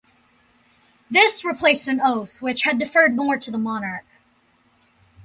This replaced an oath which had deferred more to the monarch.